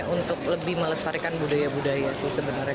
untuk lebih melestarikan budaya budaya sih sebenarnya